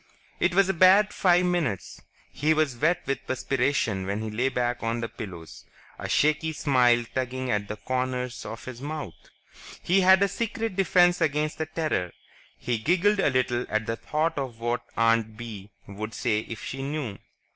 It was a bad five minutes; he was wet with perspiration when he lay back on his pillows, a shaky smile tugging at the corners of his mouth. He had a secret defense against the Terror. He giggled a little at the thought of what Aunt Bee would say if she knew.